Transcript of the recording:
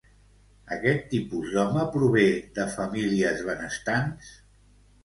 Aquest tipus d'home prové de famílies benestants?